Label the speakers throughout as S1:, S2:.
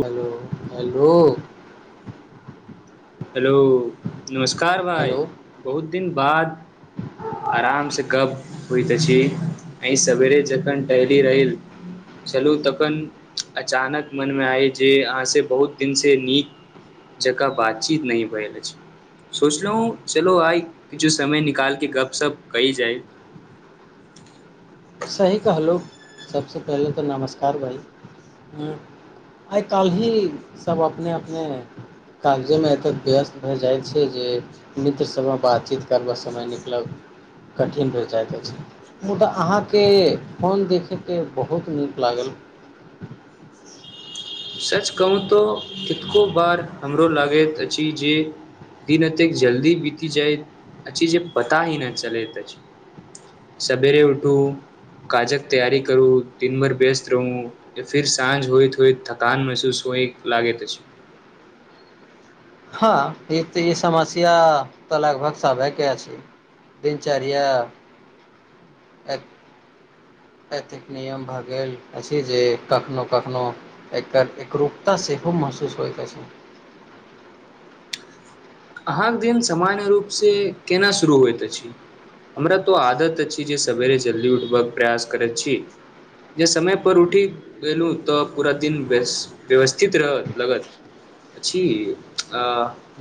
S1: Hello hello
S2: hello नमस्कार भाई
S1: hello
S2: बहुत दिन बाद आराम से गप होइत अछि आइ सवेरे जखन टहली रहील चलू तखन अचानक मनमे आइ जे अहाँसे बहुत दिनसे नीक जकाँ बात ची नहि भेल अछि सोचलहु चलो आइ किछो समय निकाल के गपशप कइल जाइ
S1: सही कहलु सभसे पहिले तऽ नमस्कार भाई आइ कहलि ही सभ अपने अपने कागजेमे एत्तेक व्यस्त भए जाइत छै जे मित्र सभमे बातचीत करबऽ समय निकलब कठिन भएल जाइत अछि मुदाऽ अहाँके के फोन देखेके बहुत नीक लागल
S2: सच कहू तो कितको बार हमरो लागैत अछि जे दिन एतेक जल्दी बीती जाय अछि जे पता ही न चलैत अछि सवेरे उठू काजक तैयारी करू दिन भर व्यस्त रहू फिर साँझ होइत होइत थक कान महसूस होइ लागे ते छै
S1: हँ ई तऽ ई समस्या तऽ लगभग सभेके छै दिनचर्या एतेक नियम भए गेल अछि जे कखनो कखनो एकर एकरूपता सेहो महसूस होइत अछि
S2: अहाँके दिन सामान्य रूपसे केना शुरू होइत अछि हमरा तो आदत अछि जे सवेरे जल्दी उठबय प्रयास करैत छी जे समयपर उठि गेलहुँ तऽ पूरा दिन व्यवस्थित रह लगत अछि आ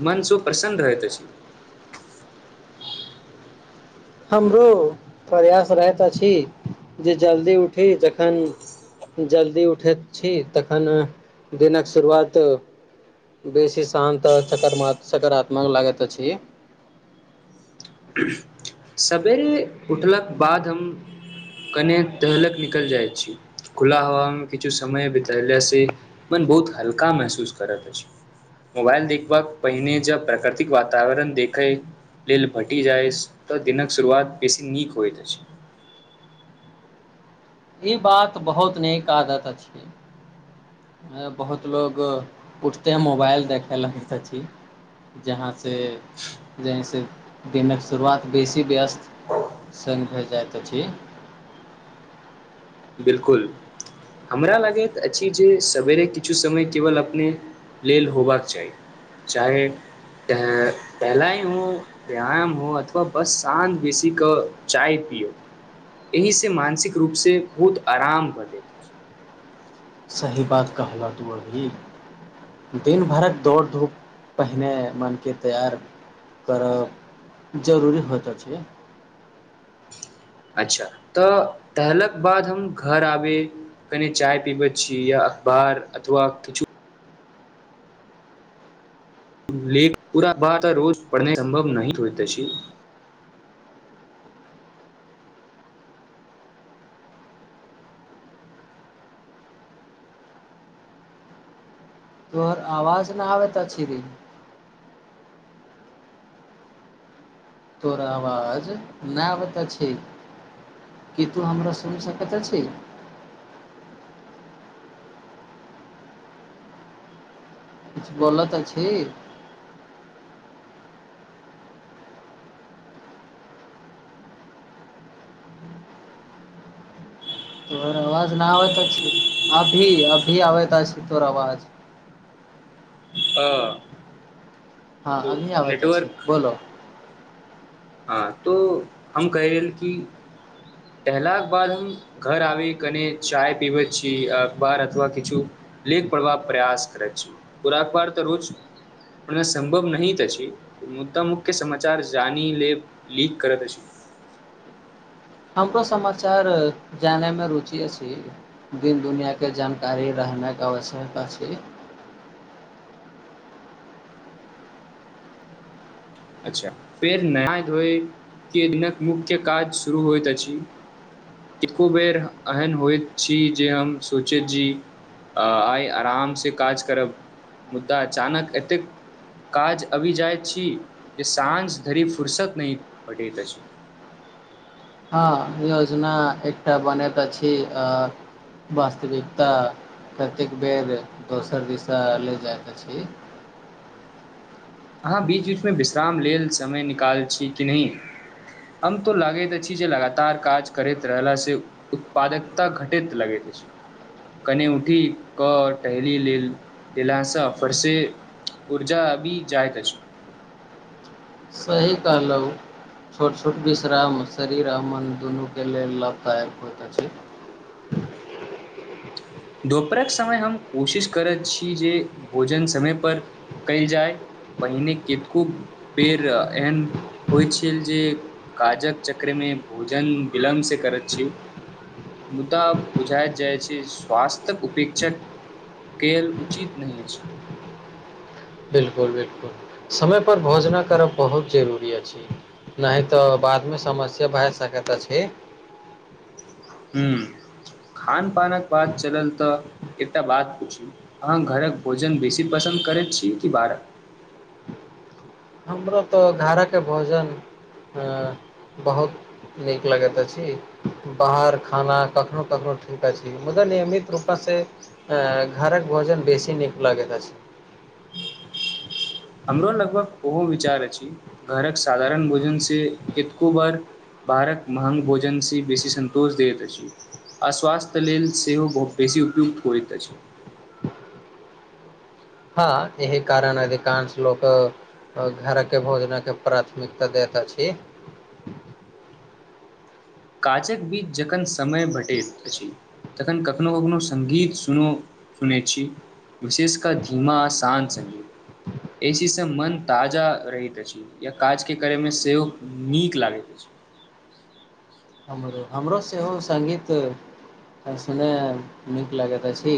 S2: मन सुख प्रसन्न रहैत अछि
S1: हमरो प्रयास रहत अछि जे जल्दी उठि जखन जल्दी उठेत छी तखन दिनक शुरुआत बेसी शांत आ सकारात्मक लागैत अछि
S2: सवेरे उठलाके बाद हम कने टहलक निकल जाइत छी खुला हवा मे किछु समय बितेले से मन बहुत हल्का महसूस करैत अछि मोबाइल देखबाक पहिने जब प्राकृतिक वातावरण देखय लेल भटी जाइ तऽ दिनक शुरुआत बेसी नीक होइत अछि
S1: ई बात बहुत नीक आदत अछि बहुत लोक उठते मोबाइल देखय लगयैत अछि जहाँसे जहिसे दिनक शुरुआत बेसी व्यस्त सङ्ग भ जाइत अछि
S2: बिलकुल हमरा लगैत अछि जे सवेरे किछु समय केवल बिल्कुल बिल्कुल हमरा लागैत अछि जे सबेरे किछु समय केबल अपने लेल होबाक चाही चाहे टहलाइ हो व्यायाम हो अथवा बस साँझ बेसीे चाय पियो एहिसँ मानसिक रूपसँ। बहुत आराम भ जैत अछि
S1: सही बात कहलह दूर भी दिन भरक दौड़ धूप पहिने मन के तैयार करब जरूरी होइत अछि
S2: अच्छा तऽ टहलक बाद हम घर आबे कने चाय पीबैत छी या अखबार अथवा किछु लेख पूरा भार त रोज पढ़ने संभव नहि होइत अछि
S1: तोहर आवाज नहि आबैत अछि रे तोरा आवाज नहि आबैत अछि की तू हमरा सुनि सकैत अछि किछु बोलत अछि तोहर आवाज न आबैत अछि अभी अभी आबैत अछि तोहर आवाज
S2: ह
S1: हँ अभी आबैत अछी बोलो
S2: हँ तो हम कहहि लेल कि टहलाकाक बाद हम घर आबी कने चाय पीबैत छी अखबार अथवा किछु लेख पड़बाक प्रयास करैत छी पूरा अखबार तऽ रोजने सम्भव नह तऽ छी मुद्दा मुख्य समाचार जानी लेब लीक करत अछि
S1: हमरो समाचार जानयमे रुचि अछि दिन दुनिआँके जानकारी रहनाके आवश्यकता अछि
S2: अच्छा फेर नया धोयके दिनक मुख्य काज शुरू होइत अछि कतो बेर एहन होइत छी जे हम सोचैत छी आइ आरामसँ काज करब मुदा अचानक एतेक काज आबि जाइत छी जे साँझ धरि फुुरसत नहि भैटैत अछि
S1: हँ योजना एकटा बनैत अछि आ वास्तविकता कतेक बेर दोसर दिशा ले जाइत अछि
S2: अहाँ बीच बीचमे विश्राम लेल समय निकाल छी कि नहि हम तो लागैत अछि जे लगातार काज करैत रहलासँ उत्पादकता घटैत लगैत अछि कने उठि कऽ टहली लेल दासँ फरसे ऊर्जा अभी जाइ त छै
S1: सही कहलहु छोट छोट विश्राम शरीर आ मन दुनूके लेल लाभदायक होइत अछि
S2: दोपहरक समय हम कोशिश करैत छी जे भोजन समय पर कयल जाय पहिने कतको बेर एहन होइत छल जे काजक चक्रमे भोजन विलम्ब से करैत छिय मुदा बुझााय जाइ छै स्वास्थयक उपेक्षा कयल उचित नहि अछि
S1: बिलकुल बिलकुल समय पर भोजन करब बहुत जरूरी अछि नहि तऽ बादमे समस्या भए सकैत अछि
S2: हूँ खान पानक बात चलल तऽ एकटा बात पूछी अहाँ घरक भोजन बेसी पसन्द करैत छीय कि बाहरक
S1: हमरो तऽ घरक भोजन बहुत नीक लगैत अछि बाहर खाना कखनहु कखनहु ठीक अछि मुदा नियमित रूपसँँ घरक भोजन बेसी नीक लगैत अछि
S2: हमरो लगभग ओहो विचार अछि घरक साधारण भोजन से कतको बार बाहरक महग भोजन से बेसी सन्तोष दैत अछि अस्वास्थ्य लेल सेहो बहुत बेसी उपयुक्त होइत अछि
S1: हँ एहि कारण अधिकांश लोक घर के भोजनक के प्राथमिकता दैत अछि
S2: काजक बीच जखन समय भेटैत अछि तखन कखनो कखनो सङ्गीत सुन सुनैत छी विशेष क धीमा आ शान्त सङ्गीत एहि चीजसँ मन ताजा रहैत अछि या काजके करयमे सेहो नीक लागैत अछि
S1: हमरो हमरो सेहो संगीत सुनय नीक लगैत अछि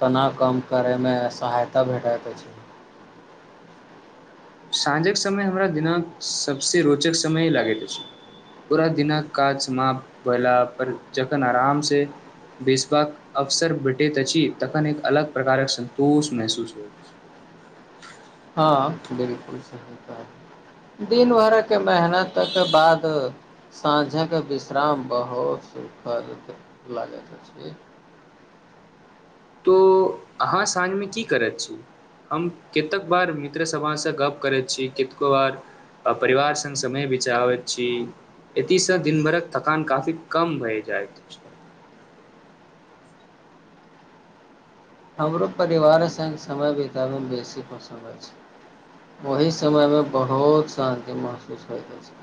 S1: तनाव कम करयमे सहायता भेटैत अछि
S2: साँझक समय हमरा दिना सभसे रोचक समय लागैत अछि पूरा दिनक काज समाप्त भेला पर जखन आराम से बेसबाक अवसर भेटैत अछि तखन एक अलग प्रकारक संन्तोष महसूस होइत अछि
S1: हँ बिलकुल सही कह दिन भरिक मेहनतक बाद साँझक विश्राम बहुत सुखद लगैत अछि
S2: तो अहाँ साँझमे की करैत छी हम कतेक बार मित्रसभसँ गप्प करैत छी कतको बार परिवार संग समय बेचाबैत छी एतसँ दिन भरक थकान काफी कम भय जाइत अछि
S1: हमरो परिवार संग समय बितयमे बेसी पसन्द अछि ओही समयमे बहुत शान्ति महसूस होइत अछि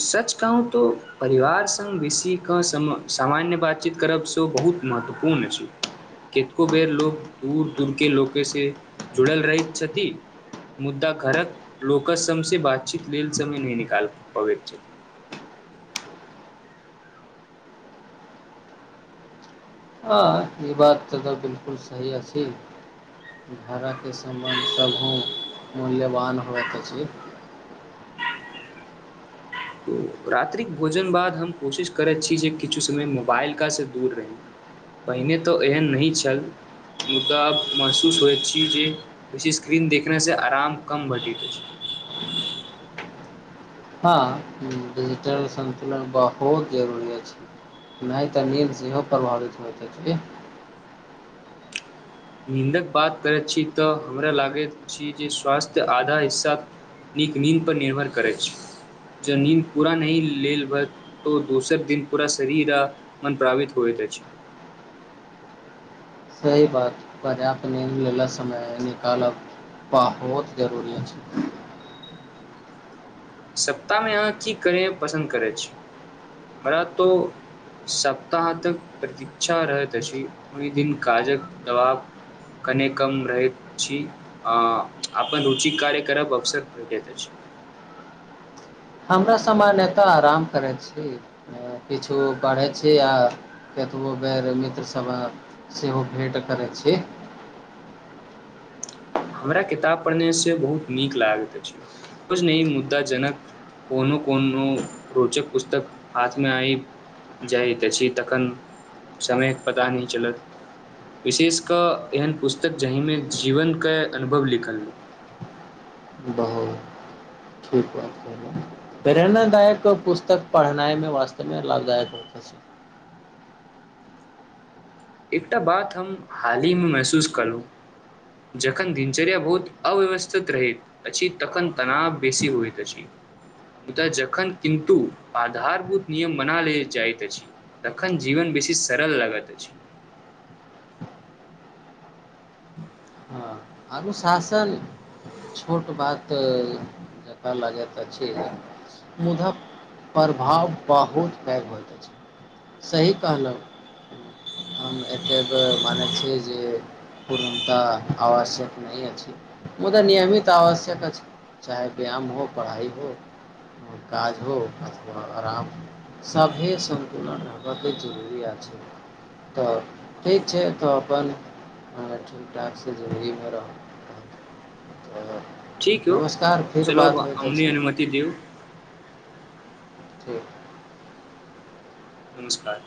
S2: सच कहू तो परिवार स बेसी क सम सामान्य बातचीत करबसँ बहुत महत्वपूर्ण छै कतको बेर लोक दूर दूर के लोक से जुड़ल रहैत छथि मुद्दा घरक लोकक सभसँ बातचीत लेल समय नहि निकाल अब्येछे
S1: हँ ई बात तऽ तऽ बिलकुल सही अछि भाड़ाके समामान सभ मूल्यवान होइत अछि
S2: त रात्रिक भोजन बाद हम कोशिश करैत छी जे किछु समय मोबाइलकासँ दूर रही पहिने तऽ एहन नहि छल मुद्दा महसूस होइत छी जे बेसी स्क्रीन देखनेसँ आराम कम भेट अछि छै
S1: हँ डिजिटल सन्तुलन बहुत जरूरी अछि नहि तऽ नट सेहो प्रभावित होइत अछि
S2: नीदक बात करैत छी तऽ हमरा लागैत छी जे स्वास्थ्य आधा हिस्सा नीक नीन्द पर निर्भर करैत छै ज नीन्द पूरा नहिही लेलबत तऽ दोसर दिन पूरा शरीर आ मन प्रावित होइत अछि
S1: सही बात पर्याप्तण लेला समय निकालब बहुत जरूरी अछि
S2: सप्ताहमे अहाँ की करय पसन्द करैत छी हमरा तो सप्ताह तक प्रतीक्षा रहैत अछि ओहि दिन काजक दबाव कने कम रहैत छी आ अपन रुचि कार्य करब अवसर भेटैत अछि
S1: हमरा सामानान्यताय आराम करैत छी किछो पढ़ैत छी आ कतबो बेर मित्रसभ सेहो भेँट करैत छी
S2: हमरा किताब पढ़नेसँ बहुत नीक लागैत अछि रोज नहि मुद्दा जनक कोनो कोनो रोचक पुस्तक हाथमे आब जाइत अछि तखन समयक पता नहि चलत विशेष कऽ एहन पुस्तक जाहिमे जीवनके अनुभव निकलल
S1: बहुत प्रेरणाादायक पुस्तक पढ़नाइ में वास्तवमे लाभदायक होत छै
S2: एकटा बात हम हालहिमे महसूस केलहुँ जखन दिनचर्या बहुत अव्यवस्थित रहैत अछि तखन तनाव बेसी होइत अछि मुदा जखन किन्तु आधारभूत नियम बना लेले जाइत अछि तखन जीवन बेसी सरल लागैत अछि
S1: हँ अनुशासन छोट बात जकरा लागत त छै मुधक प्रभाव बहुत पैघ होइत अछि सही कहलहुँ हम एतेक मानैत छी जे पूर्णतः आवश्यक नहि अछि मुदा नियमित आवश्यक अछि चाहे व्यायाम हो पढ़ाइ हो काज हो अथवा आराम हो सभे सन्तुलन रहबऽके जरुररी अछि तऽ ठीक छै तऽ अपन ठीक ठाकसँ जरगीमे रहब [inaudible]
S2: ठीक यौ
S1: नमस्कार फिर
S2: चलो अब
S1: बात होइत
S2: हमनी
S1: अछि
S2: अनुमति दयौ
S1: ठीक
S2: नमस्कार